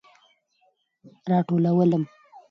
راټولوم